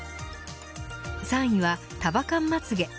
３位は束感まつげ。